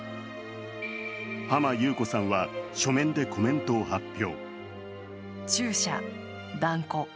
浜木綿子さんは書面でコメントを発表。